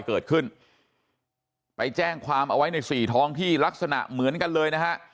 เกิดขึ้นไปแจ้งความเอาไว้ในสี่ท้องที่ลักษณะเหมือนกันเลยนะฮะ